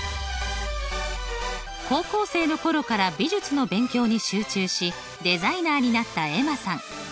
高校生の頃から美術の勉強に集中しデザイナーになったエマさん。